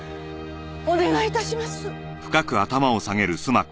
お願い致します。